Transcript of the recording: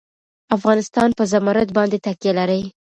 افغانستان په زمرد باندې تکیه لري.